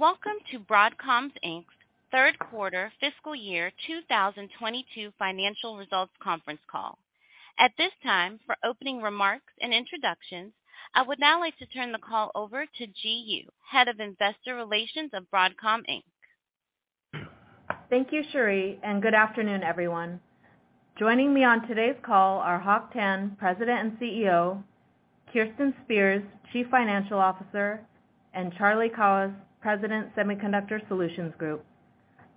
Welcome to Broadcom Inc's third quarter fiscal year 2022 financial results conference call. At this time, for opening remarks and introductions, I would now like to turn the call over to Ji Yoo, Head of Investor Relations of Broadcom Inc. Thank you, Sheri, and good afternoon, everyone. Joining me on today's call are Hock Tan, President and CEO, Kirsten Spears, Chief Financial Officer, and Charlie Kawwas, President, Semiconductor Solutions Group.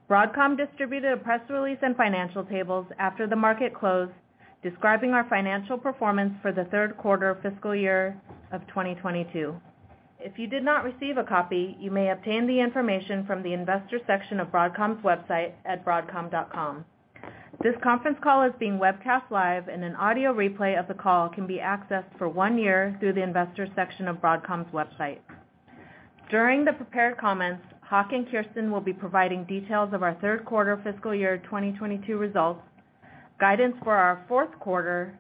Broadcom distributed a press release and financial tables after the market closed, describing our financial performance for the third quarter fiscal year of 2022. If you did not receive a copy, you may obtain the information from the Investor section of Broadcom's website at broadcom.com. This conference call is being webcast live, and an audio replay of the call can be accessed for one year through the Investor section of Broadcom's website. During the prepared comments, Hock and Kirsten will be providing details of our third quarter fiscal year 2022 results, guidance for our fourth quarter,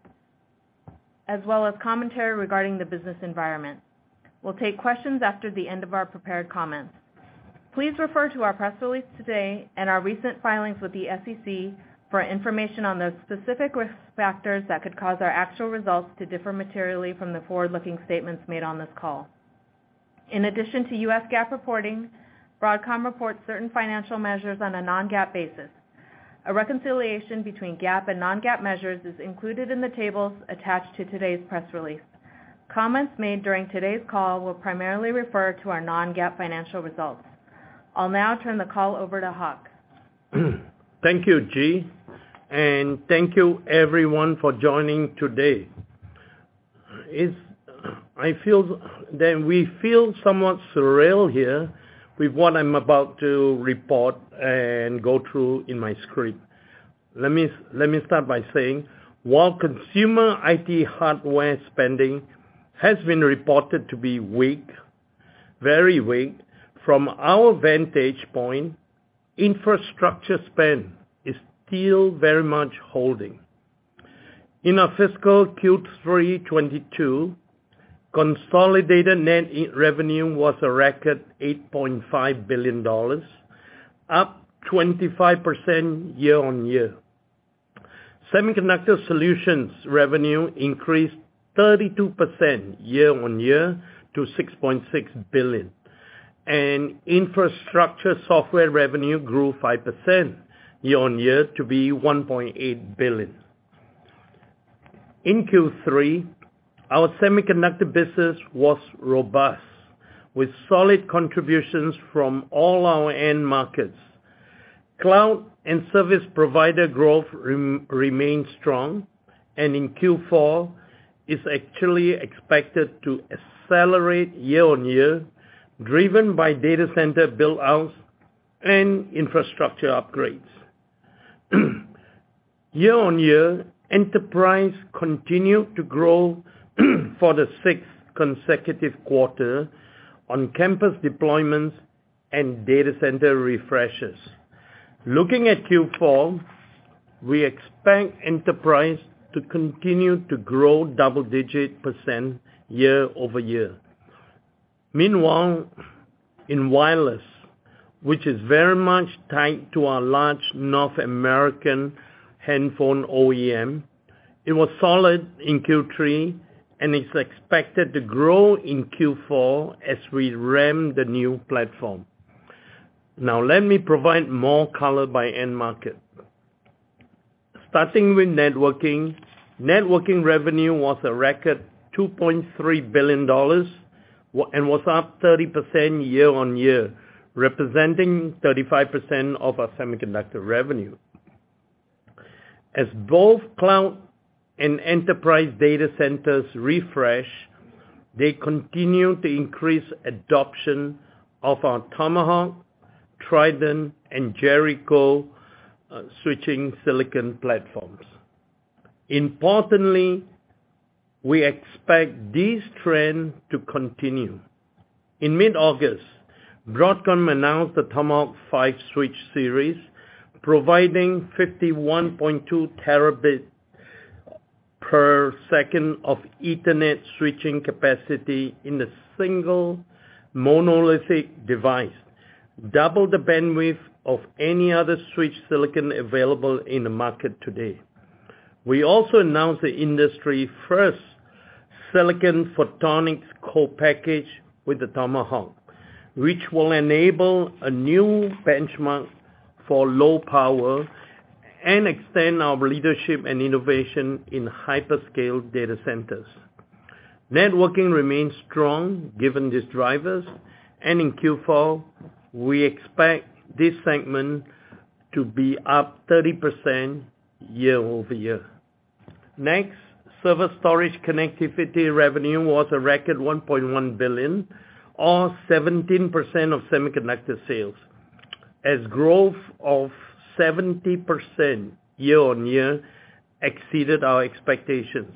as well as commentary regarding the business environment. We'll take questions after the end of our prepared comments. Please refer to our press release today and our recent filings with the SEC for information on those specific risk factors that could cause our actual results to differ materially from the forward-looking statements made on this call. In addition to US GAAP reporting, Broadcom reports certain financial measures on a non-GAAP basis. A reconciliation between GAAP and non-GAAP measures is included in the tables attached to today's press release. Comments made during today's call will primarily refer to our non-GAAP financial results. I'll now turn the call over to Hock. Thank you, Ji, and thank you everyone for joining today. It feels somewhat surreal here with what I'm about to report and go through in my script. Let me start by saying, while consumer IT hardware spending has been reported to be weak, very weak, from our vantage point, infrastructure spend is still very much holding. In our fiscal Q3 2022, consolidated net revenue was a record $8.5 billion, up 25% year-on-year. Semiconductor Solutions revenue increased 32% year-on-year to $6.6 billion. Infrastructure Software revenue grew 5% year-on-year to $1.8 billion. In Q3, our semiconductor business was robust, with solid contributions from all our end markets. Cloud and service provider growth remains strong, and in Q4 is actually expected to accelerate year-on-year, driven by data center build outs and infrastructure upgrades. Year-on-year, enterprise continued to grow for the sixth consecutive quarter on campus deployments and data center refreshes. Looking at Q4, we expect enterprise to continue to grow double-digit percent year-over-year. Meanwhile, in wireless, which is very much tied to our large North American handset OEM, it was solid in Q3 and is expected to grow in Q4 as we ramp the new platform. Now let me provide more color by end market. Starting with networking. Networking revenue was a record $2.3 billion and was up 30% year-on-year, representing 35% of our semiconductor revenue. As both cloud and enterprise data centers refresh, they continue to increase adoption of our Tomahawk, Trident, and Jericho switching silicon platforms. Importantly, we expect this trend to continue. In mid-August, Broadcom announced the Tomahawk 5 switch series, providing 51.2 Tb/s of Ethernet switching capacity in a single monolithic device, double the bandwidth of any other switch silicon available in the market today. We also announced the industry-first silicon photonics co-package with the Tomahawk, which will enable a new benchmark for low power and extend our leadership and innovation in hyperscale data centers. Networking remains strong given these drivers, and in Q4, we expect this segment to be up 30% year-over-year. Next, server storage connectivity revenue was a record $1.1 billion, or 17% of semiconductor sales, as growth of 70% year-on-year exceeded our expectations.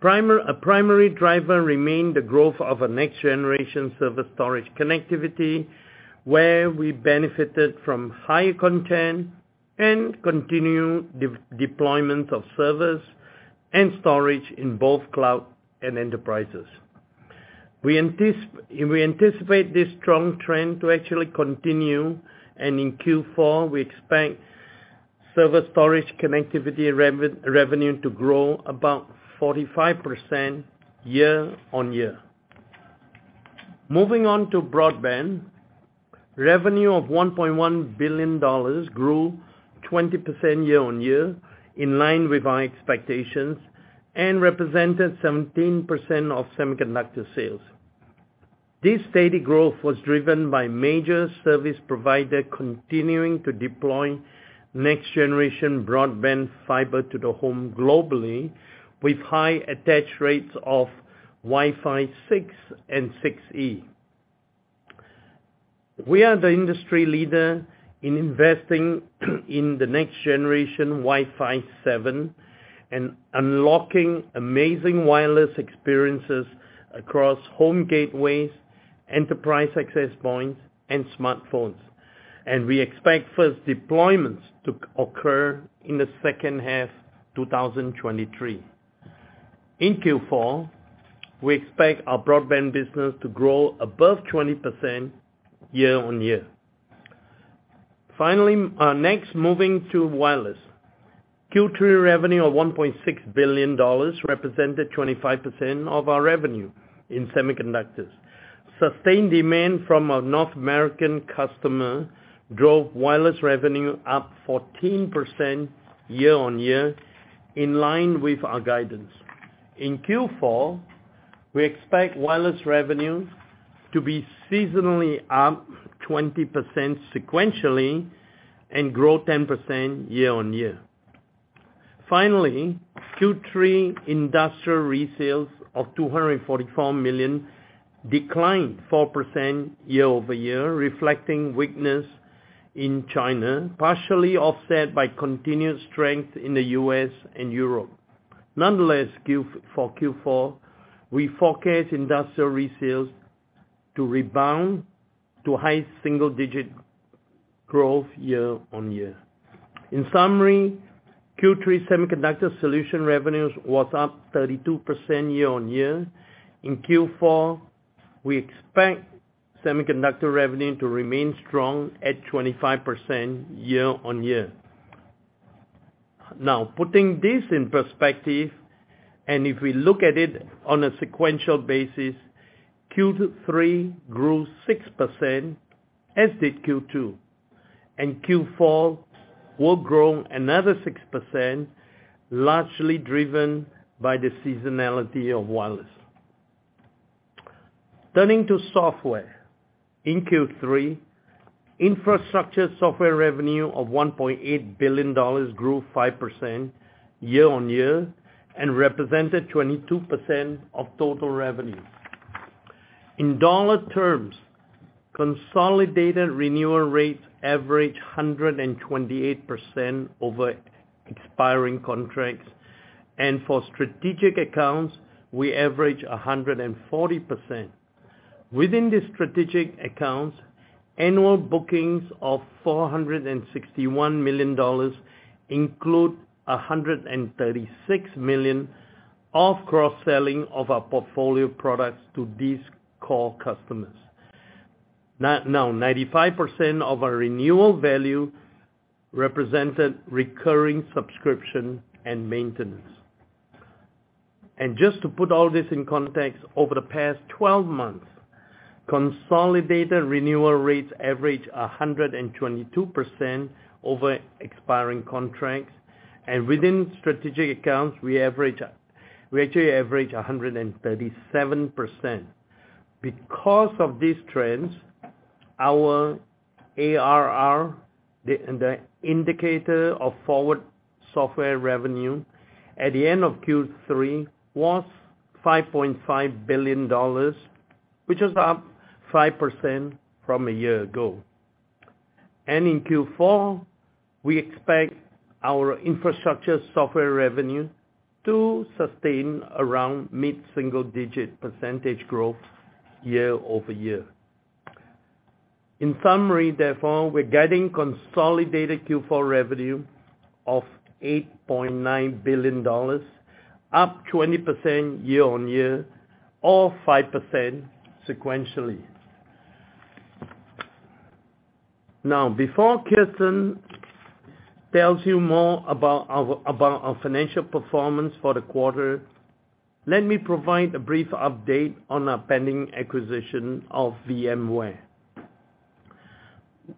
A primary driver remained the growth of next-generation server storage connectivity, where we benefited from higher content and continued deployment of servers and storage in both cloud and enterprises. We anticipate this strong trend to actually continue, and in Q4, we expect server storage connectivity revenue to grow about 45% year-on-year. Moving on to broadband. Revenue of $1.1 billion grew 20% year-on-year in line with our expectations, and represented 17% of semiconductor sales. This steady growth was driven by major service providers continuing to deploy next-generation broadband fiber to the home globally with high attach rates of Wi-Fi 6 and Wi-Fi 6E. We are the industry leader in investing in the next-generation Wi-Fi 7 and unlocking amazing wireless experiences across home gateways, enterprise access points, and smartphones. We expect first deployments to occur in the second half 2023. In Q4, we expect our broadband business to grow above 20% year-on-year. Finally, moving to wireless. Q3 revenue of $1.6 billion represented 25% of our revenue in semiconductors. Sustained demand from our North American customer drove wireless revenue up 14% year-on-year in line with our guidance. In Q4, we expect wireless revenue to be seasonally up 20% sequentially and grow 10% year-on-year. Finally, Q3 industrial resales of $244 million declined 4% year-over-year, reflecting weakness in China, partially offset by continued strength in the U.S. and Europe. Nonetheless, for Q4, we forecast industrial resales to rebound to high single digit growth year-on-year. In summary, Q3 semiconductor solution revenues was up 32% year-on-year. In Q4, we expect semiconductor revenue to remain strong at 25% year-on-year. Now, putting this in perspective, and if we look at it on a sequential basis, Q3 grew 6%, as did Q2. Q4 will grow another 6%, largely driven by the seasonality of wireless. Turning to software. In Q3, infrastructure software revenue of $1.8 billion grew 5% year-over-year and represented 22% of total revenue. In dollar terms, consolidated renewal rates averaged 128% over expiring contracts, and for strategic accounts, we average 140%. Within the strategic accounts, annual bookings of $461 million include $136 million of cross-selling of our portfolio products to these core customers. Now, 95% of our renewal value represented recurring subscription and maintenance. Just to put all this in context, over the past 12 months, consolidated renewal rates averaged 122% over expiring contracts. Within strategic accounts, we actually average 137%. Because of these trends, our ARR, the indicator of forward software revenue at the end of Q3 was $5.5 billion, which is up 5% from a year ago. In Q4, we expect our infrastructure software revenue to sustain around mid-single digit percentage growth year-over-year. In summary, therefore, we're guiding consolidated Q4 revenue of $8.9 billion, up 20% year-on-year, or 5% sequentially. Now, before Kirsten tells you more about our financial performance for the quarter, let me provide a brief update on our pending acquisition of VMware.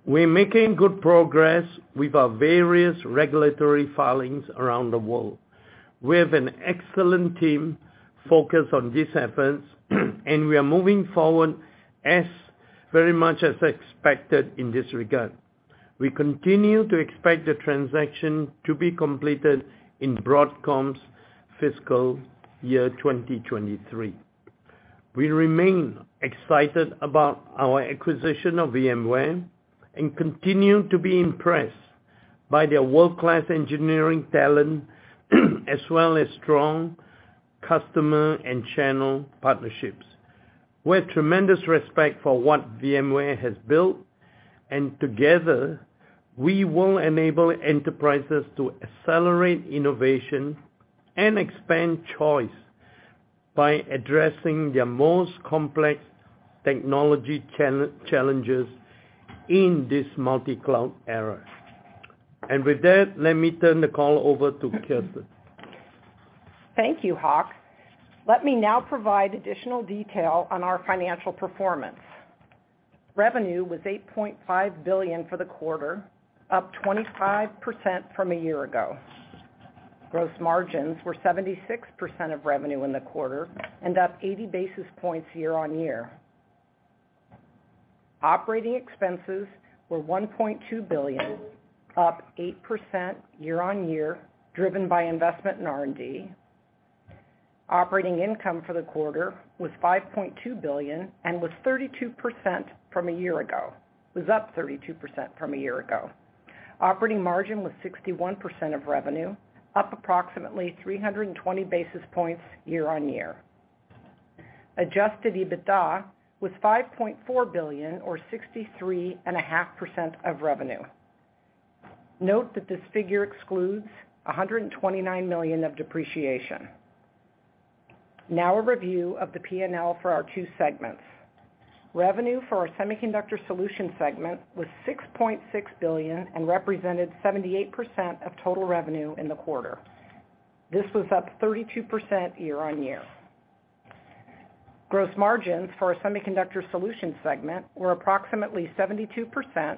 We're making good progress with our various regulatory filings around the world. We have an excellent team focused on these efforts, and we are moving forward as very much as expected in this regard. We continue to expect the transaction to be completed in Broadcom's fiscal year 2023. We remain excited about our acquisition of VMware and continue to be impressed by their world-class engineering talent, as well as strong customer and channel partnerships. We have tremendous respect for what VMware has built, and together, we will enable enterprises to accelerate innovation and expand choice by addressing their most complex technology challenges in this multi-cloud era. With that, let me turn the call over to Kirsten. Thank you, Hock. Let me now provide additional detail on our financial performance. Revenue was $8.5 billion for the quarter, up 25% from a year ago. Gross margins were 76% of revenue in the quarter and up 80 basis points year-on-year. Operating expenses were $1.2 billion, up 8% year-over-year, driven by investment in R&D. Operating income for the quarter was $5.2 billion and was up 32% from a year ago. Operating margin was 61% of revenue, up approximately 320 basis points year-on-year. Adjusted EBITDA was $5.4 billion or 63.5% of revenue. Note that this figure excludes $129 million of depreciation. Now a review of the P&L for our two segments. Revenue for our Semiconductor Solutions segment was $6.6 billion and represented 78% of total revenue in the quarter. This was up 32% year-on-year. Gross margins for our Semiconductor Solutions segment were approximately 72%,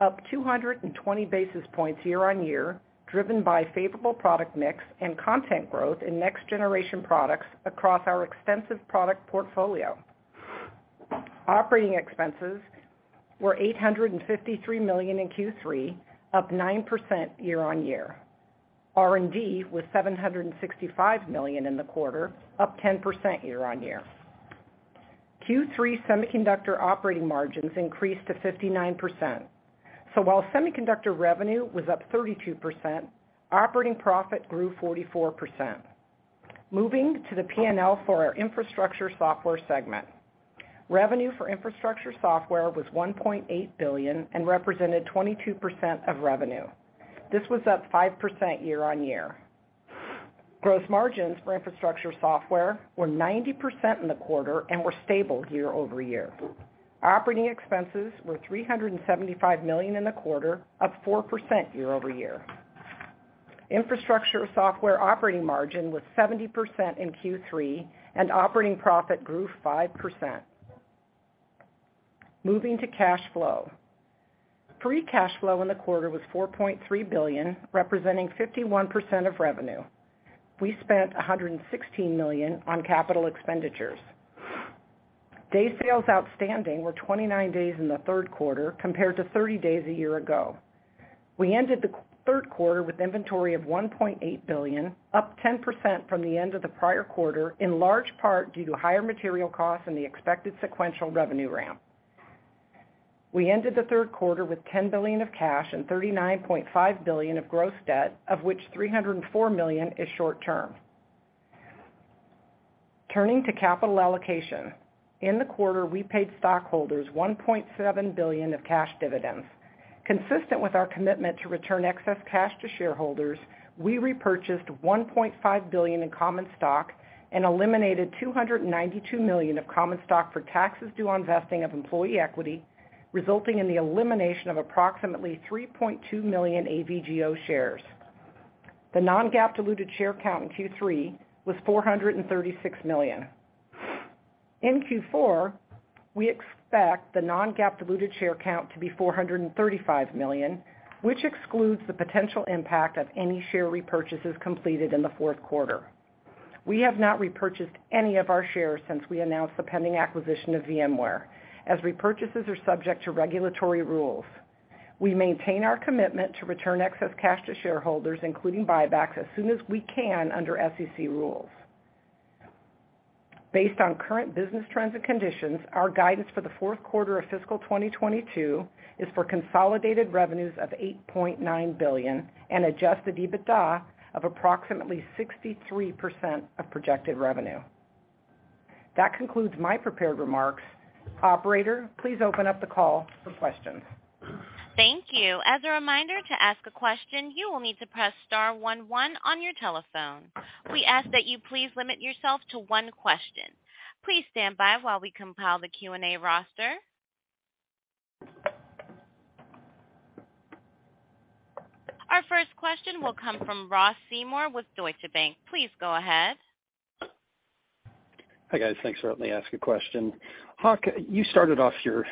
up 220 basis points year-over-year, driven by favorable product mix and content growth in next-generation products across our extensive product portfolio. Operating expenses were $853 million in Q3, up 9% year-on-year. R&D was $765 million in the quarter, up 10% year-over-year. Q3 semiconductor operating margins increased to 59%. While semiconductor revenue was up 32%, operating profit grew 44%. Moving to the P&L for our Infrastructure Software segment. Revenue for Infrastructure Software was $1.8 billion and represented 22% of revenue. This was up 5% year-on-year. Gross margins for Infrastructure Software were 90% in the quarter and were stable year-over-year. Operating expenses were $375 million in the quarter, up 4% year-over-year. Infrastructure Software operating margin was 70% in Q3, and operating profit grew 5%. Moving to cash flow. Free cash flow in the quarter was $4.3 billion, representing 51% of revenue. We spent $116 million on capital expenditures. Day sales outstanding were 29 days in the third quarter compared to 30 days a year ago. We ended the third quarter with inventory of $1.8 billion, up 10% from the end of the prior quarter, in large part due to higher material costs and the expected sequential revenue ramp. We ended the third quarter with $10 billion of cash and $39.5 billion of gross debt, of which $304 million is short term. Turning to capital allocation. In the quarter, we paid stockholders $1.7 billion of cash dividends. Consistent with our commitment to return excess cash to shareholders, we repurchased $1.5 billion in common stock and eliminated $292 million of common stock for taxes due on vesting of employee equity, resulting in the elimination of approximately 3.2 million AVGO shares. The non-GAAP diluted share count in Q3 was 436 million. In Q4, we expect the non-GAAP diluted share count to be 435 million, which excludes the potential impact of any share repurchases completed in the fourth quarter. We have not repurchased any of our shares since we announced the pending acquisition of VMware, as repurchases are subject to regulatory rules. We maintain our commitment to return excess cash to shareholders, including buybacks, as soon as we can under SEC rules. Based on current business trends and conditions, our guidance for the fourth quarter of fiscal 2022 is for consolidated revenues of $8.9 billion and adjusted EBITDA of approximately 63% of projected revenue. That concludes my prepared remarks. Operator, please open up the call for questions. Thank you. As a reminder, to ask a question, you will need to press star one one on your telephone. We ask that you please limit yourself to one question. Please stand by while we compile the Q&A roster. Our first question will come from Ross Seymore with Deutsche Bank. Please go ahead. Hi, guys. Thanks for letting me ask a question. Hock, you started off your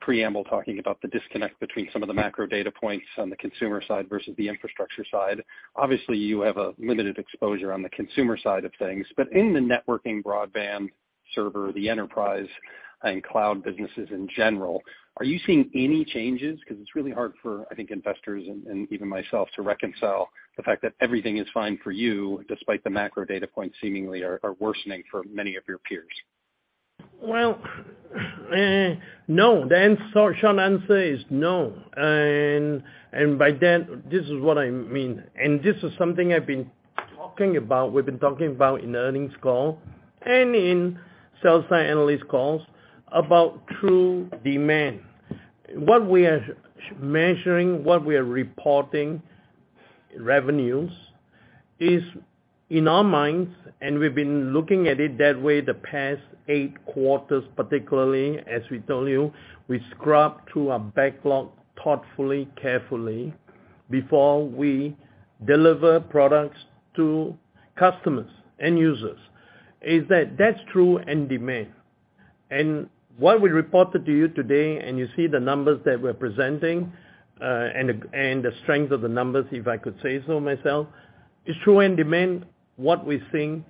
preamble talking about the disconnect between some of the macro data points on the consumer side versus the infrastructure side. Obviously, you have a limited exposure on the consumer side of things, but in the networking broadband server, the enterprise and cloud businesses in general, are you seeing any changes? Because it's really hard for, I think, investors and even myself to reconcile the fact that everything is fine for you, despite the macro data points seemingly are worsening for many of your peers. No. The short answer is no. By that, this is what I mean, and this is something I've been talking about, we've been talking about in the earnings call and in sell-side analyst calls about true demand. What we are measuring, what we are reporting, revenues, is in our minds, and we've been looking at it that way the past eight quarters particularly, as we told you, we scrub through our backlog thoughtfully, carefully before we deliver products to customers, end users, is that's true end demand. What we reported to you today, and you see the numbers that we're presenting, and the strength of the numbers, if I could say so myself, is true end demand, what we're seeing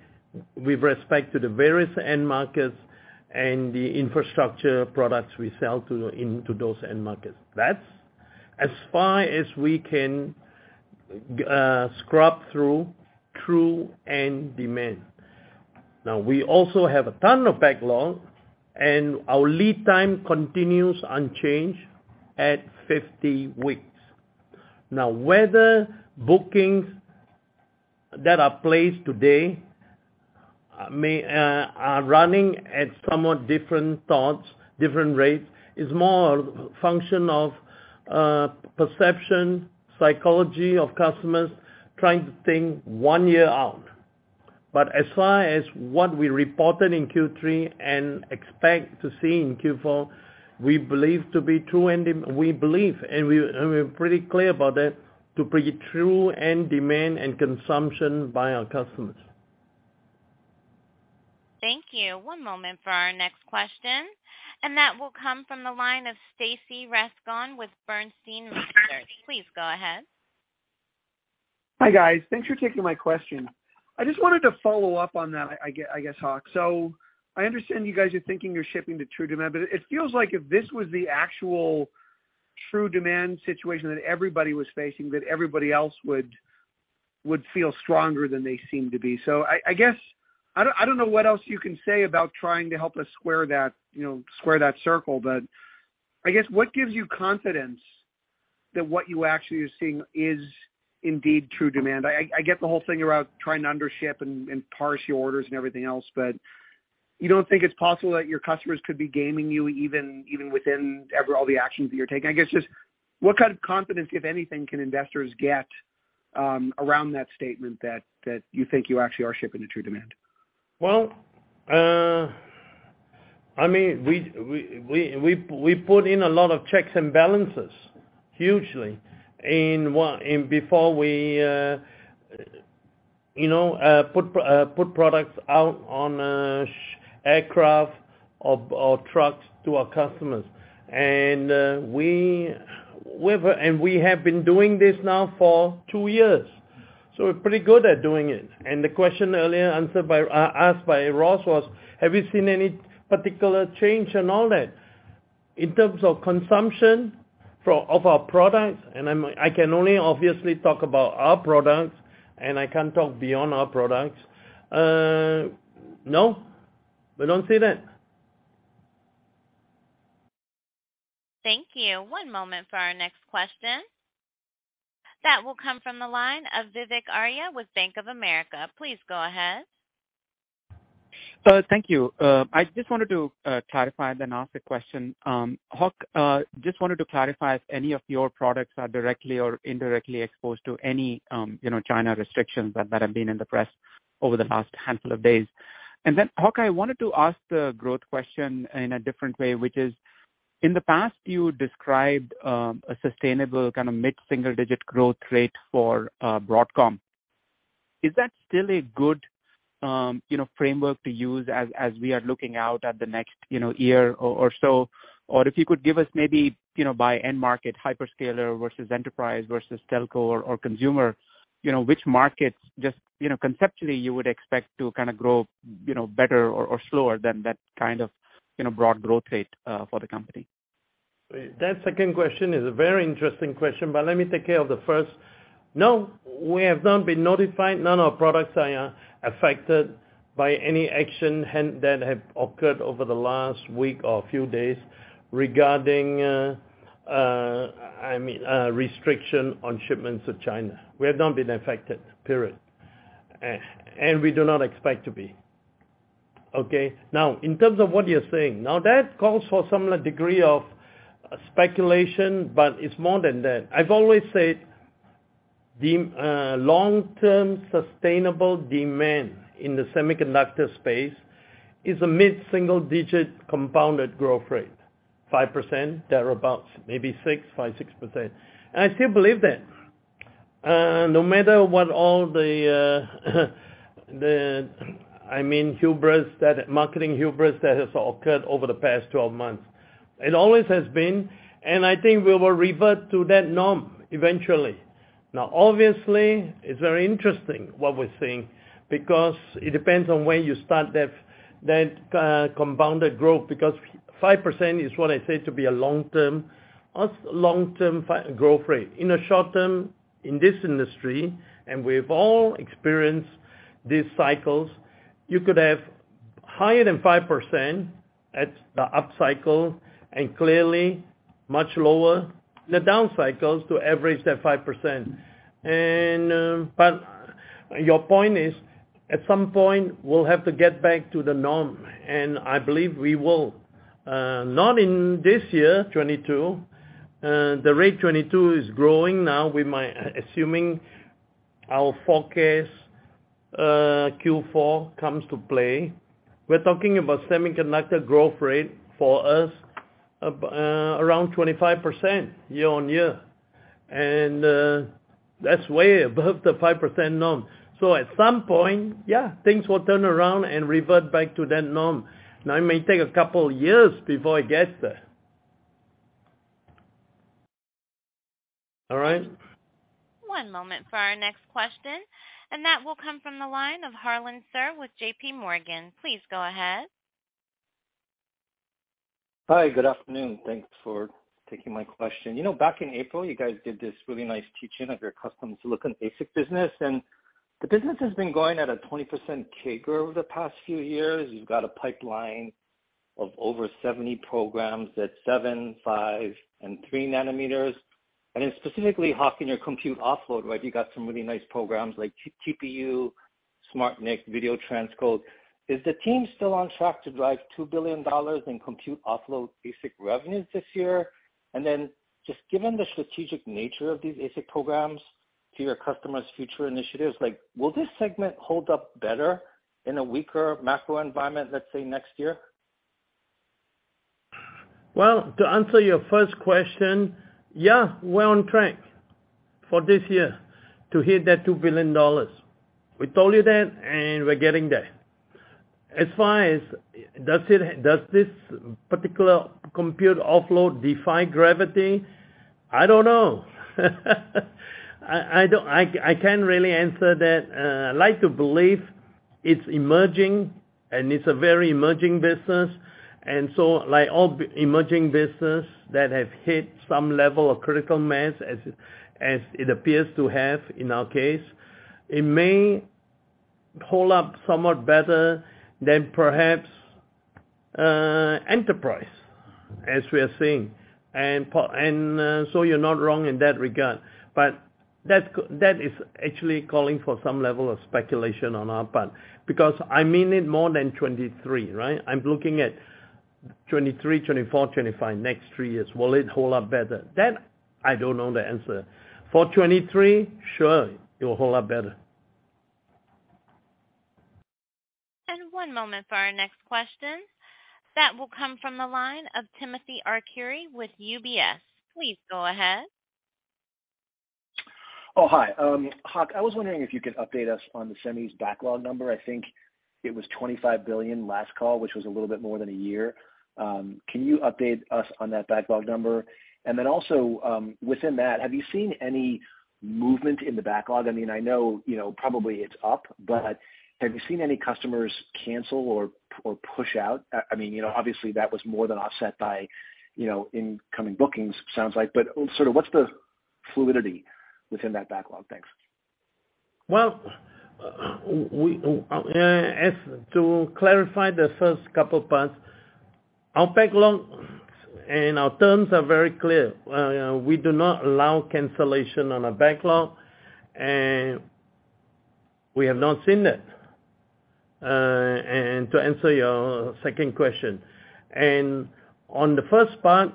with respect to the various end markets and the infrastructure products we sell into those end markets. That's as far as we can scrub through true end demand. Now, we also have a ton of backlog, and our lead time continues unchanged at 50 weeks. Now, whether bookings that are placed today may are running at somewhat different thoughts, different rates, is more a function of perception, psychology of customers trying to think one year out. As far as what we reported in Q3 and expect to see in Q4, we believe, and we're pretty clear about that, to be true end demand and consumption by our customers. Thank you. One moment for our next question, and that will come from the line of Stacy Rasgon with Bernstein Research. Please go ahead. Hi, guys. Thanks for taking my question. I just wanted to follow up on that, I guess, Hock. I understand you guys are thinking you're shipping to true demand, but it feels like if this was the actual true demand situation that everybody was facing, that everybody else would feel stronger than they seem to be. I guess I don't know what else you can say about trying to help us square that, you know, square that circle, but I guess what gives you confidence that what you actually are seeing is indeed true demand? I get the whole thing about trying to undership and parse your orders and everything else. You don't think it's possible that your customers could be gaming you even within all the actions that you're taking? I guess just what kind of confidence, if anything, can investors get around that statement that you think you actually are shipping to true demand? Well, I mean, we put in a lot of checks and balances hugely before we, you know, put products out on ships, aircraft or trucks to our customers. We have been doing this now for 2 years, so we're pretty good at doing it. The question earlier asked by Ross was, have you seen any particular change and all that? In terms of consumption of our products, and I can only obviously talk about our products, and I can't talk beyond our products. No, we don't see that. Thank you. One moment for our next question. That will come from the line of Vivek Arya with Bank of America. Please go ahead. Thank you. I just wanted to clarify then ask a question. Hock, just wanted to clarify if any of your products are directly or indirectly exposed to any China restrictions that have been in the press over the last handful of days. Hock, I wanted to ask the growth question in a different way, which is. In the past you described a sustainable kind of mid-single digit growth rate for Broadcom. Is that still a good framework to use as we are looking out at the next year or so? If you could give us maybe, you know, by end market, hyperscaler versus enterprise versus telco or consumer, you know, which markets just, you know, conceptually you would expect to kinda grow, you know, better or slower than that kind of, you know, broad growth rate for the company? That second question is a very interesting question, but let me take care of the first. No, we have not been notified. None of our products are affected by any action that have occurred over the last week or few days regarding, I mean, restriction on shipments to China. We have not been affected, period. We do not expect to be. Okay? Now, in terms of what you're saying. Now, that calls for some degree of speculation, but it's more than that. I've always said long-term sustainable demand in the semiconductor space is a mid-single digit compounded growth rate, 5%, thereabouts, maybe 6, 5, 6%. I still believe that. No matter what all the, I mean, hubris that, marketing hubris that has occurred over the past 12 months. It always has been, and I think we will revert to that norm eventually. Now, obviously, it's very interesting what we're seeing because it depends on where you start that compounded growth because 5% is what I said to be a long-term growth rate. In the short term, in this industry, and we've all experienced these cycles, you could have higher than 5% at the upcycle and clearly much lower the downcycles to average that 5%. Your point is, at some point we'll have to get back to the norm, and I believe we will. Not in this year, 2022. The rate 2022 is growing now assuming our forecast, Q4 comes to play. We're talking about semiconductor growth rate for us around 25% year-on-year. That's way above the 5% norm. At some point, yeah, things will turn around and revert back to that norm. Now, it may take a couple years before it gets there. All right? One moment for our next question, and that will come from the line of Harlan Sur with JPMorgan. Please go ahead. Hi, good afternoon. Thanks for taking my question. You know, back in April, you guys did this really nice teach-in of your custom silicon ASIC business, and the business has been going at a 20% CAGR over the past few years. You've got a pipeline of over 70 programs at 7, 5, and 3 nanometers. Then specifically, Hock, in your compute offload, right, you got some really nice programs like TPU, SmartNIC, Video Transcode. Is the team still on track to drive $2 billion in compute offload ASIC revenues this year? Just given the strategic nature of these ASIC programs to your customers' future initiatives, like, will this segment hold up better in a weaker macro environment, let's say, next year? Well, to answer your first question, yeah, we're on track for this year to hit that $2 billion. We told you that, and we're getting there. As far as does this particular compute offload defy gravity? I don't know. I can't really answer that. I like to believe it's emerging and it's a very emerging business. Like all emerging business that have hit some level of critical mass as it appears to have in our case, it may hold up somewhat better than perhaps enterprise as we are seeing. So you're not wrong in that regard. That is actually calling for some level of speculation on our part, because I mean in more than 2023, right? I'm looking at 2023, 2024, 2025, next 3 years. Will it hold up better? That I don't know the answer. For 2023, sure, it will hold up better. One moment for our next question. That will come from the line of Timothy Arcuri with UBS. Please go ahead. Hi, Hock, I was wondering if you could update us on the semi's backlog number. I think it was $25 billion last call, which was a little bit more than a year. Can you update us on that backlog number? Then also, within that, have you seen any movement in the backlog? I mean, I know, you know, probably it's up, but have you seen any customers cancel or push out? I mean, you know, obviously that was more than offset by, you know, incoming bookings, sounds like. Sort of what's the fluidity within that backlog? Thanks. To clarify the first couple parts, our backlog and our terms are very clear. We do not allow cancellation on a backlog, and we have not seen that, and to answer your second question. On the first part,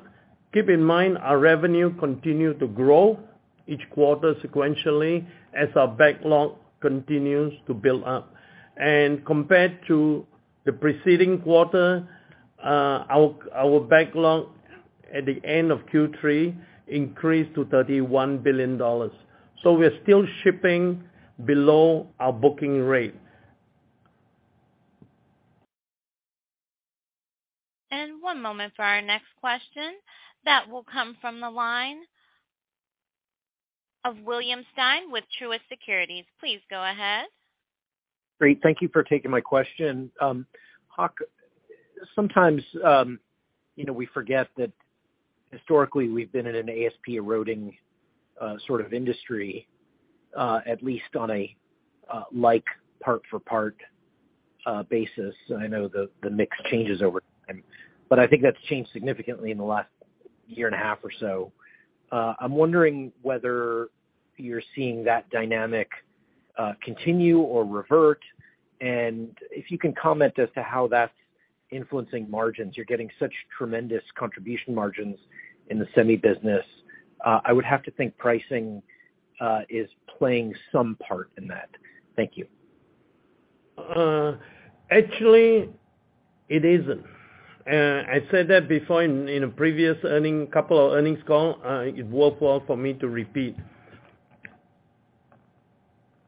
keep in mind our revenue continue to grow each quarter sequentially as our backlog continues to build up. Compared to the preceding quarter, our backlog at the end of Q3 increased to $31 billion. We are still shipping below our booking rate. One moment for our next question. That will come from the line of William Stein with Truist Securities. Please go ahead. Great. Thank you for taking my question. Hock, sometimes, you know, we forget that historically we've been in an ASP eroding, sort of industry, at least on a, like part for part, basis. I know the mix changes over time, but I think that's changed significantly in the last year and a half or so. I'm wondering whether you're seeing that dynamic continue or revert, and if you can comment as to how that's influencing margins. You're getting such tremendous contribution margins in the semi business. I would have to think pricing is playing some part in that. Thank you. Actually, it isn't. I said that before in a previous couple of earnings calls. It's worthwhile for me to repeat.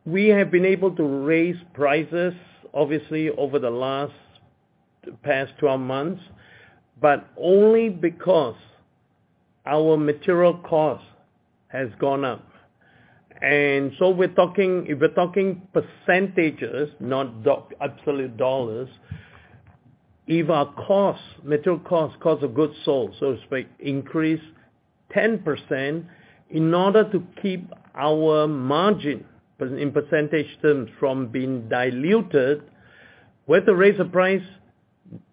We have been able to raise prices obviously over the past 12 months, but only because our material cost has gone up. We're talking, if we're talking percentages, not absolute dollars, if our costs, material costs, cost of goods sold, so to speak, increase 10% in order to keep our margin but in percentage terms from being diluted, we have to raise the price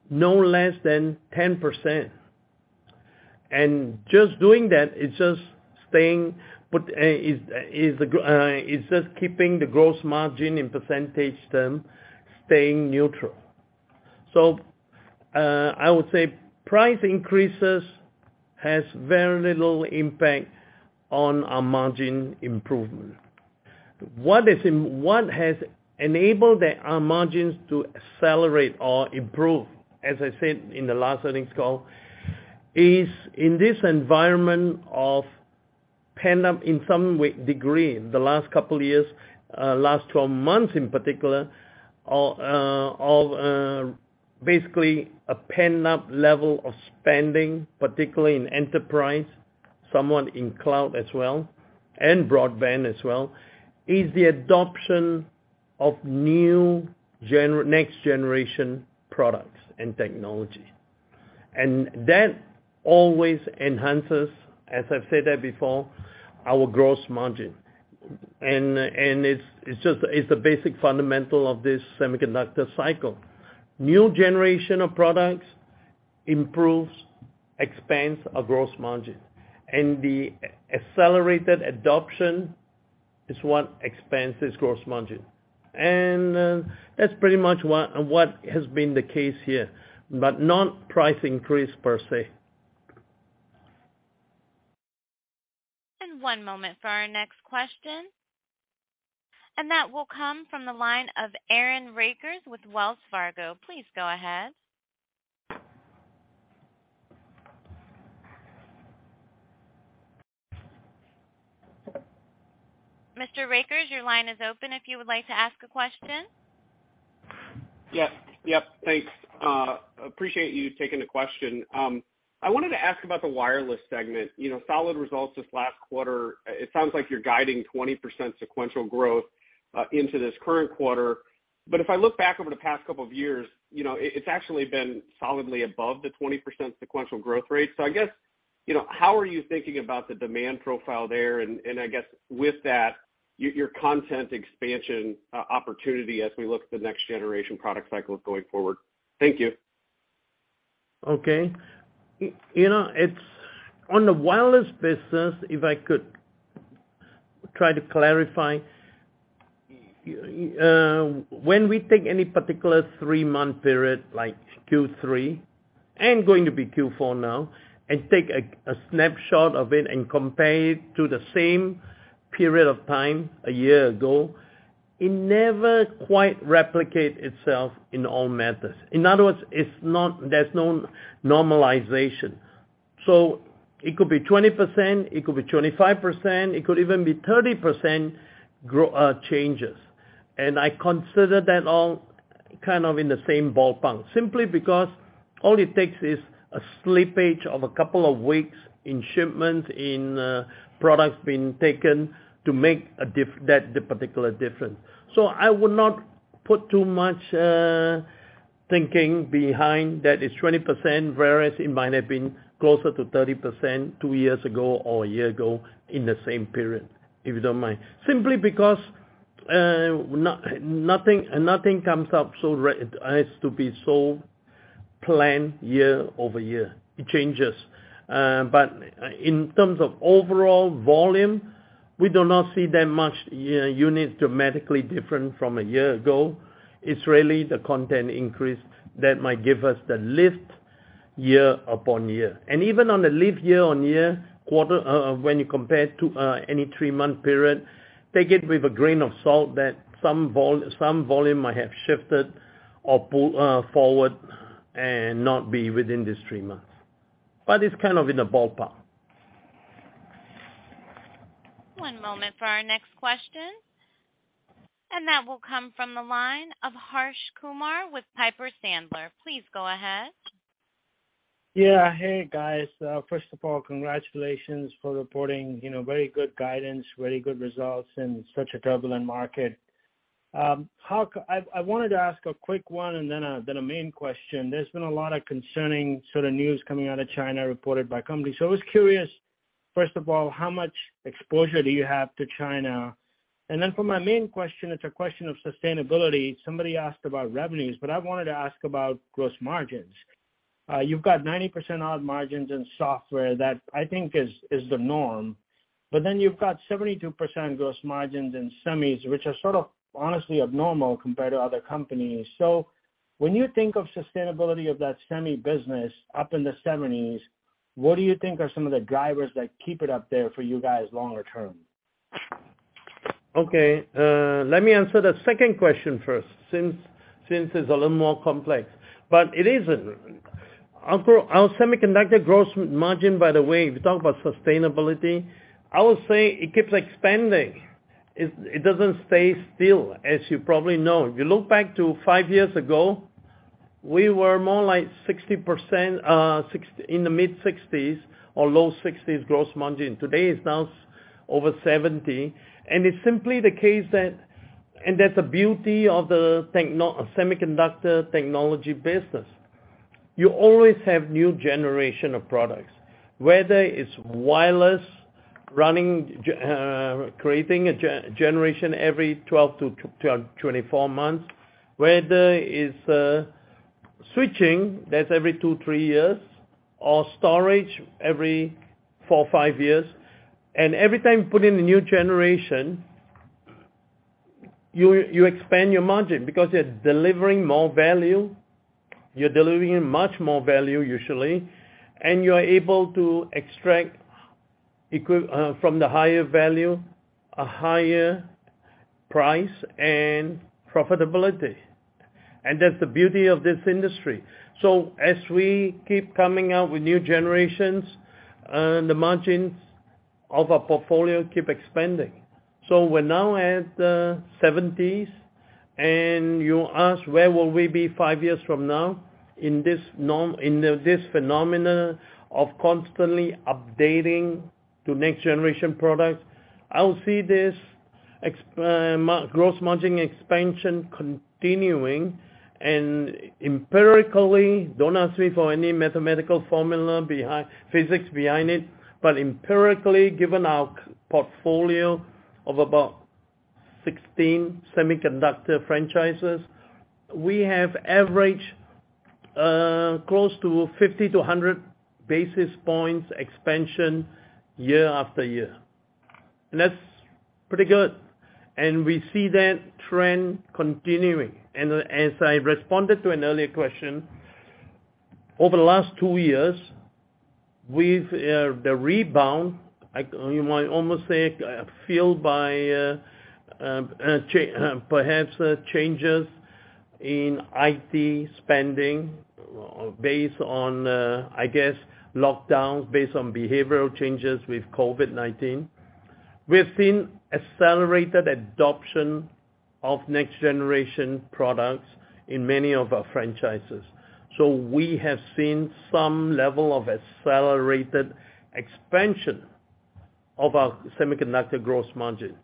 no less than 10%. Just doing that is just staying put, is just keeping the gross margin in percentage terms staying neutral. I would say price increases has very little impact on our margin improvement. What has enabled our margins to accelerate or improve, as I said in the last earnings call, is in this environment of pent-up to some degree in the last couple of years, last 12 months in particular, of basically a pent-up level of spending, particularly in enterprise, somewhat in cloud as well, and broadband as well, the adoption of next generation products and technology. That always enhances as I've said before, our gross margin. It's just the basic fundamental of this semiconductor cycle. New generation of products improves, expands our gross margin, and the accelerated adoption is what expands this gross margin. That's pretty much what has been the case here but not price increase per se. One moment for our next question. That will come from the line of Aaron Rakers with Wells Fargo. Please go ahead. Mr. Rakers, your line is open if you would like to ask a question. Yes. Yep. Thanks. Appreciate you taking the question. I wanted to ask about the wireless segment. You know, solid results this last quarter. It sounds like you're guiding 20% sequential growth into this current quarter. If I look back over the past couple of years, you know, it's actually been solidly above the 20% sequential growth rate. I guess, you know, how are you thinking about the demand profile there? And I guess with that, your content expansion opportunity as we look at the next generation product cycles going forward. Thank you. You know, it's on the wireless business, if I could try to clarify. When we take any particular 3-month period like Q3 and going to be Q4 now and take a snapshot of it and compare it to the same period of time a year ago, it never quite replicate itself in all methods. In other words, it's not. There's no normalization. It could be 20%, it could be 25%, it could even be 30% changes. I consider that all kind of in the same ballpark, simply because all it takes is a slippage of a couple of weeks in shipments in products being taken to make that particular difference. I would not put too much thinking behind that. It's 20%, whereas it might have been closer to 30% 2 years ago or a year ago in the same period, if you don't mind. Simply because nothing comes up so it has to be so planned year-over-year. It changes. In terms of overall volume, we do not see that much, you know, units dramatically different from a year ago. It's really the content increase that might give us the lift year-on-year. Even on the lift year-on-year quarter, when you compare to any 3-month period, take it with a grain of salt that some volume might have shifted or pulled forward and not be within these 3 months. It's kind of in the ballpark. One moment for our next question, and that will come from the line of Harsh Kumar with Piper Sandler. Please go ahead. Yeah. Hey, guys. First of all, congratulations for reporting, you know, very good guidance, very good results in such a turbulent market. I wanted to ask a quick one and then a main question. There's been a lot of concerning sort of news coming out of China reported by companies. I was curious, first of all, how much exposure do you have to China? For my main question, it's a question of sustainability. Somebody asked about revenues, but I wanted to ask about gross margins. You've got 90% odd margins in software that I think is the norm. Then you've got 72% gross margins in semis, which are sort of honestly abnormal compared to other companies. When you think of sustainability of that semi business up in the 70s, what do you think are some of the drivers that keep it up there for you guys longer term? Okay. Let me answer the second question first, since it's a little more complex, but it isn't. Our semiconductor gross margin, by the way, if you talk about sustainability, I would say it keeps expanding. It doesn't stay still, as you probably know. If you look back to 5 years ago, we were more like 60%, in the mid-60s or low 60s gross margin. Today, it's now over 70%. That's the beauty of the semiconductor technology business. You always have new generation of products, whether it's wireless running creating a generation every 12-24 months, whether it's switching, that's every 2-3 years, or storage every 4-5 years. Every time you put in a new generation, you expand your margin because you're delivering more value, you're delivering much more value usually, and you're able to extract from the higher value, a higher price and profitability. That's the beauty of this industry. As we keep coming out with new generations, the margins of our portfolio keep expanding. We're now at 70s, and you ask where will we be 5 years from now in this phenomenon of constantly updating to next generation products, I'll see this gross margin expansion continuing. Empirically, don't ask me for any mathematical formula behind, physics behind it, but empirically, given our portfolio of about 16 semiconductor franchises, we have averaged close to 50-100 basis points expansion year after year. That's pretty good. We see that trend continuing. As I responded to an earlier question, over the last 2 years, with the rebound, you might almost say, fueled by, perhaps, changes in IT spending based on, I guess, lockdowns, based on behavioral changes with COVID-19, we've seen accelerated adoption of next generation products in many of our franchises. We have seen some level of accelerated expansion of our semiconductor gross margin.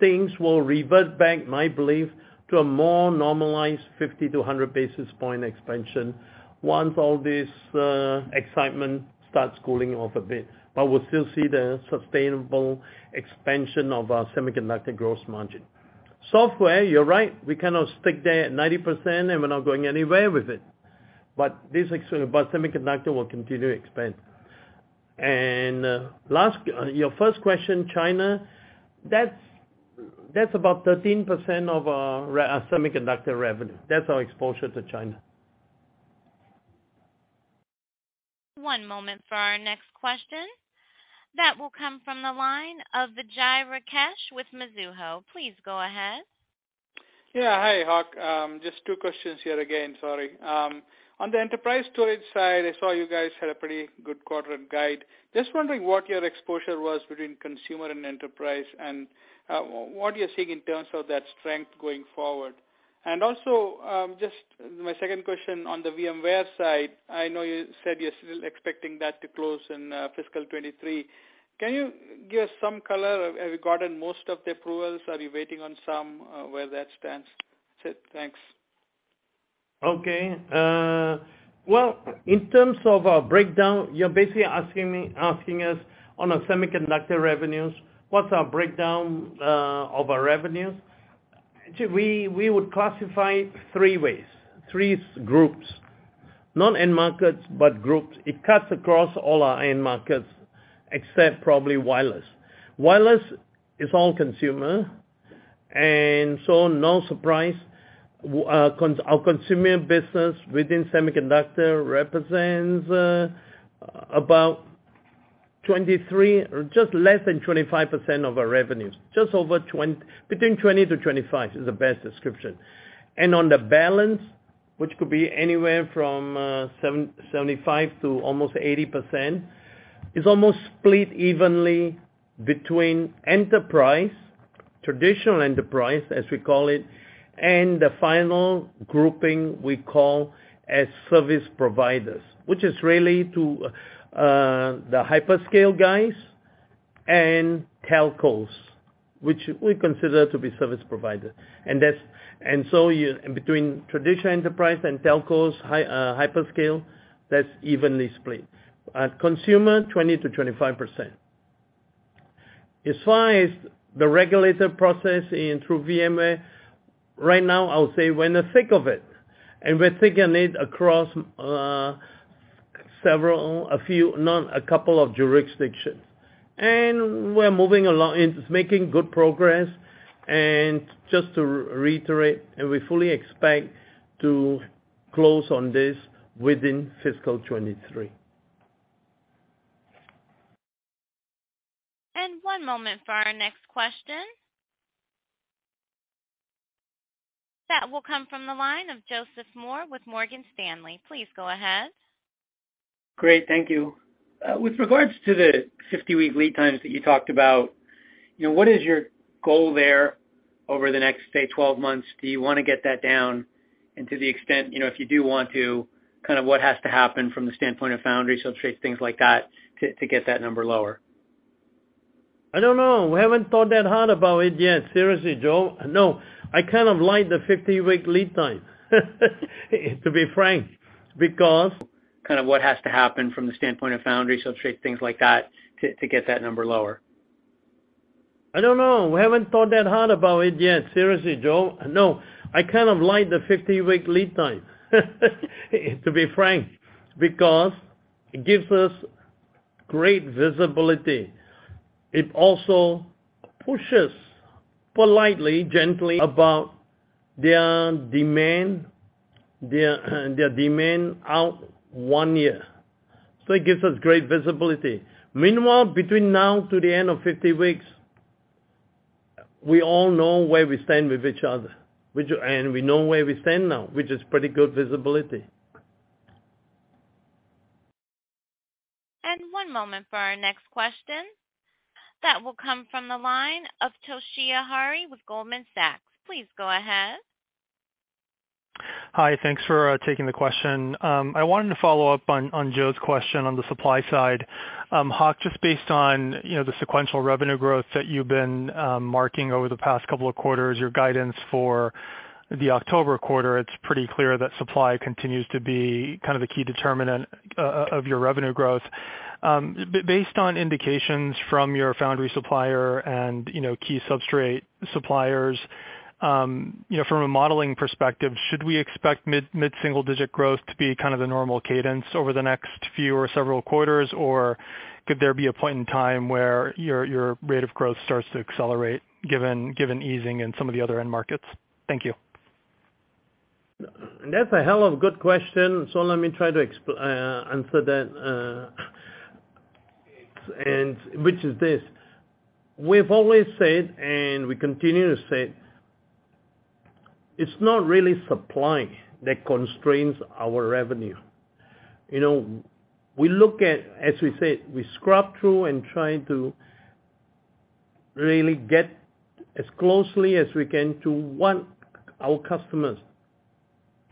Things will revert back, my belief, to a more normalized 50-100 basis point expansion once all this excitement starts cooling off a bit. We'll still see the sustainable expansion of our semiconductor gross margin. Software, you're right, we cannot stick there at 90%, and we're not going anywhere with it. Semiconductor will continue to expand. Last, your first question, China, that's about 13% of our semiconductor revenue. That's our exposure to China. One moment for our next question. That will come from the line of Vijay Rakesh with Mizuho. Please go ahead. Yeah. Hi, Hock. Just two questions here again, sorry. On the enterprise storage side, I saw you guys had a pretty good quarter and guide. Just wondering what your exposure was between consumer and enterprise, and what are you seeing in terms of that strength going forward? Also, just my second question on the VMware side, I know you said you're still expecting that to close in fiscal 2023. Can you give some color regarding most of the approvals? Are you waiting on some, where that stands? That's it. Thanks. Okay. In terms of our breakdown, you're basically asking us on a semiconductor revenues, what's our breakdown of our revenues? Actually, we would classify three ways, three groups, not end markets, but groups. It cuts across all our end markets, except probably wireless. Wireless is all consumer, and so no surprise our consumer business within semiconductor represents about 23% or just less than 25% of our revenues, between 20%-25% is the best description. On the balance, which could be anywhere from 75%-80%, is almost split evenly between enterprise, traditional enterprise, as we call it, and the final grouping we call as service providers, which is really to the hyperscale guys and telcos, which we consider to be service provider. Between traditional enterprise and telcos, hyperscale, that's evenly split. Consumer, 20%-25%. As far as the regulatory process for VMware, right now, I'll say we're in the thick of it, and we're taking it across several jurisdictions. We're moving along and making good progress. Just to reiterate, we fully expect to close on this within fiscal 2023. One moment for our next question. That will come from the line of Joseph Moore with Morgan Stanley. Please go ahead. Great. Thank you. With regards to the 50-week lead times that you talked about, you know, what is your goal there over the next, say, 12 months? Do you wanna get that down? To the extent, you know, if you do want to, kind of what has to happen from the standpoint of foundry, substrate, things like that to get that number lower. I don't know. We haven't thought that hard about it yet. Seriously, Joe. No, I kind of like the 50-week lead time to be frank, because. Kind of what has to happen from the standpoint of foundry, substrate, things like that to get that number lower. I don't know. We haven't thought that hard about it yet. Seriously, Joe. No, I kind of like the 50-week lead time to be frank, because it gives us great visibility. It also pushes politely, gently about their demand out one year. It gives us great visibility. Meanwhile, between now to the end of 50 weeks, we all know where we stand with each other. We know where we stand now, which is pretty good visibility. One moment for our next question. That will come from the line of Toshiya Hari with Goldman Sachs. Please go ahead. Hi, thanks for taking the question. I wanted to follow up on Joe's question on the supply side. Hock, just based on, you know, the sequential revenue growth that you've been marking over the past couple of quarters, your guidance for the October quarter, it's pretty clear that supply continues to be kind of the key determinant of your revenue growth. Based on indications from your foundry supplier and, you know, key substrate suppliers, you know, from a modeling perspective, should we expect mid-single-digit growth to be kind of the normal cadence over the next few or several quarters? Or could there be a point in time where your rate of growth starts to accelerate given easing in some of the other end markets? Thank you. That's a hell of a good question. Let me try to answer that, and which is this. We've always said, and we continue to say, it's not really supply that constrains our revenue. You know, we look at, as we said, we scrub through and try to really get as closely as we can to what our customers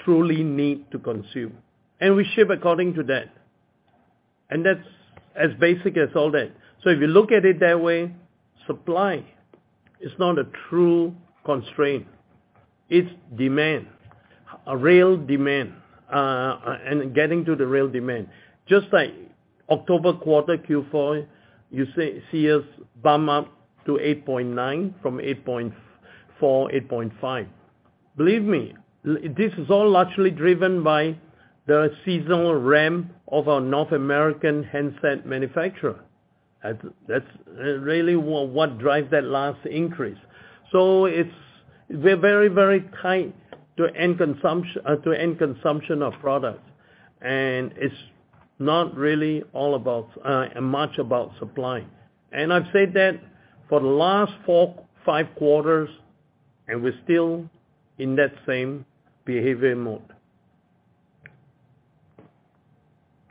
truly need to consume, and we ship according to that. That's as basic as all that. If you look at it that way, supply is not a true constraint. It's demand, a real demand, and getting to the real demand. Just like October quarter Q4, you say, see us bump up to $8.9 from $8.4, $8.5. Believe me, this is all largely driven by the seasonal ramp of our North American handset manufacturer. That's really what drives that last increase. We're very tied to end consumption of products, and it's not really all about much about supply. I've said that for the last four, five quarters, and we're still in that same behavior mode.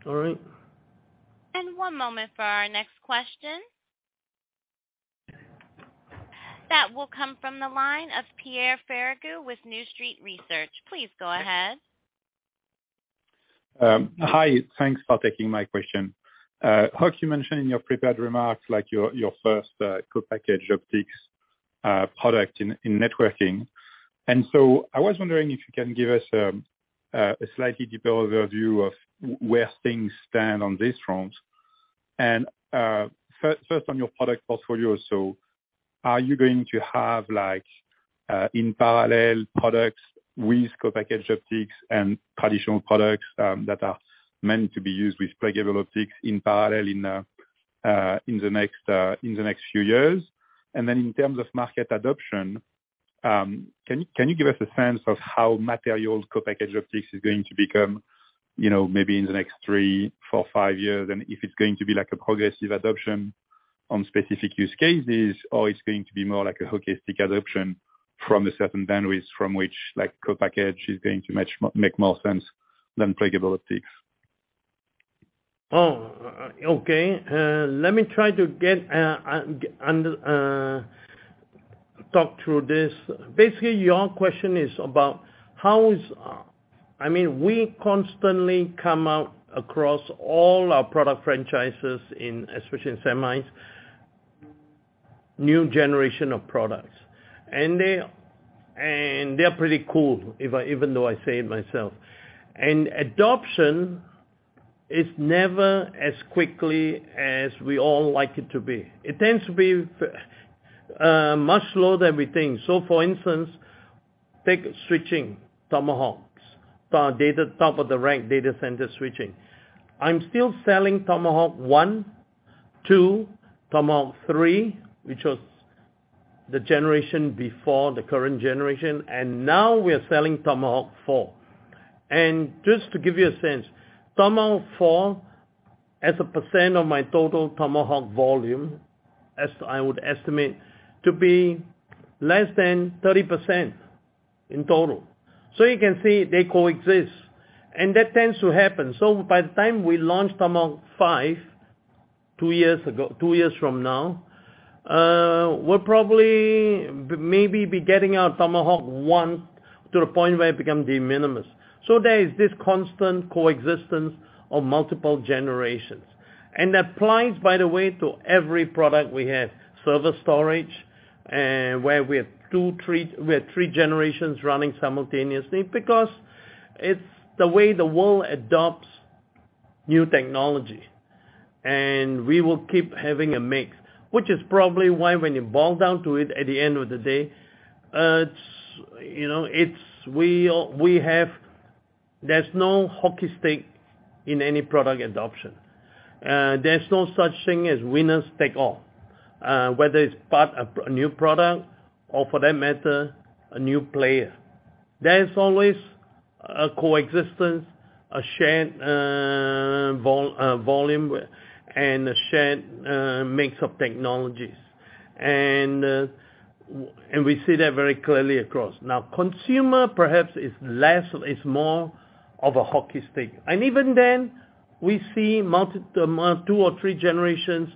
All right. One moment for our next question. That will come from the line of Pierre Ferragu with New Street Research. Please go ahead. Hi, thanks for taking my question. Hock, you mentioned in your prepared remarks, like your first co-packaged optics product in networking. I was wondering if you can give us a slightly deeper overview of where things stand on this front. First on your product portfolio. Are you going to have like, in parallel products with co-packaged optics and traditional products that are meant to be used with pluggable optics in parallel in the next few years? Then in terms of market adoption, can you give us a sense of how mainstream co-packaged optics is going to become, you know, maybe in the next three, four, five years? If it's going to be like a progressive adoption on specific use cases, or it's going to be more like a holistic adoption from the certain bandwidth from which like co-packaged optics is going to make more sense than pluggable optics. Let me try to talk through this. Basically, your question is about, I mean, we constantly roll out new generations of products across all our product franchises, especially in semis. They're pretty cool, if I do say so myself. Adoption is never as quickly as we all like it to be. It tends to be much slower than we think. For instance, take switching Tomahawks, top-of-the-rack data center switching. I'm still selling Tomahawk 1, 2, Tomahawk 3, which was the generation before the current generation, and now we are selling Tomahawk 4. Just to give you a sense, Tomahawk 4 as a percent of my total Tomahawk volume, as I would estimate to be less than 30% in total. You can see they coexist, and that tends to happen. By the time we launch Tomahawk 5, 2 years from now, we'll probably maybe be getting our Tomahawk 1 to the point where it become de minimis. There is this constant coexistence of multiple generations and applies, by the way, to every product we have. Server storage, where we have two, three generations running simultaneously because it's the way the world adopts new technology, and we will keep having a mix, which is probably why when you boil down to it, at the end of the day, it's we have. There's no hockey stick in any product adoption. There's no such thing as winners take all, whether it's part of a new product or for that matter, a new player. There is always a coexistence, a shared volume and a shared mix of technologies. We see that very clearly across. Now, consumer perhaps is more of a hockey stick. Even then we see two or three generations of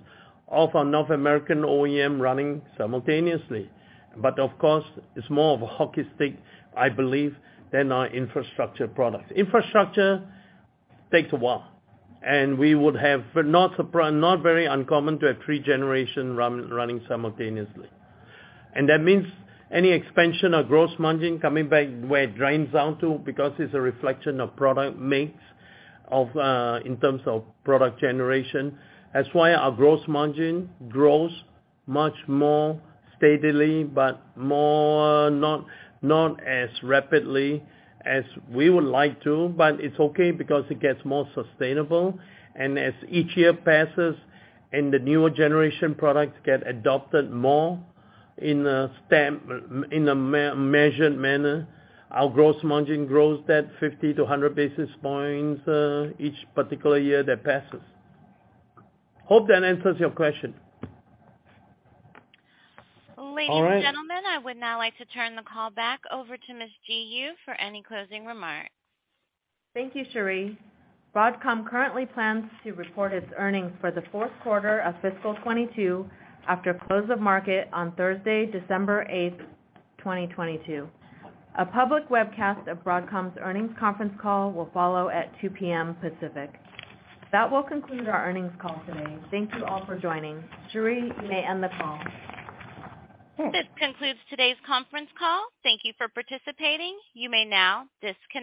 our North American OEM running simultaneously. Of course it's more of a hockey stick, I believe, than our infrastructure products. Infrastructure takes a while, and it would not be very uncommon to have three generations running simultaneously. That means any expansion of gross margin coming back where it drains down to because it's a reflection of product mix of, in terms of product generation. That's why our gross margin grows much more steadily but not as rapidly as we would like to. It's okay because it gets more sustainable. As each year passes and the newer generation products get adopted more in a more measured manner, our gross margin grows by 50-100 basis points each particular year that passes. Hope that answers your question. Ladies and gentlemen, I would now like to turn the call back over to Ms. Ji Yoo for any closing remarks. Thank you, Sheri. Broadcom currently plans to report its earnings for the fourth quarter of fiscal 2022 after close of market on Thursday, December 8th, 2022. A public webcast of Broadcom's earnings conference call will follow at 2:00 P.M. Pacific. That will conclude our earnings call today. Thank you all for joining. Sheri, you may end the call. This concludes today's conference call. Thank you for participating. You may now disconnect.